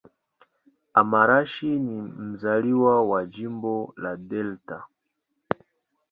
Amarachi ni mzaliwa wa Jimbo la Delta.